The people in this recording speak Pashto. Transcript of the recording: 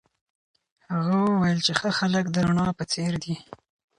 هغه وویل چي ښه خلک د رڼا په څېر دي.